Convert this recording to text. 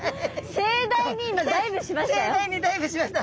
盛大にダイブしました。